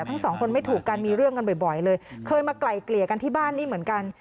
ทั้งสองคนไม่ถูกกันมีเรื่องกันบ่อยเลยเคยมาไกลเกลี่ยกันที่บ้านนี่เหมือนกัน